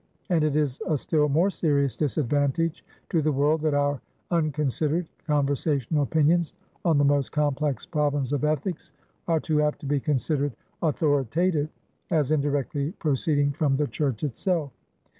And it is a still more serious disadvantage to the world, that our unconsidered, conversational opinions on the most complex problems of ethics, are too apt to be considered authoritative, as indirectly proceeding from the church itself.